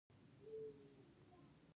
دا دوه توکي په یو شي کې برابر دي.